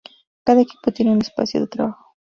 Cada equipo tiene un espacio de trabajo.